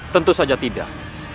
tentu saja tidak